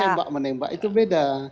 tembak menembak itu beda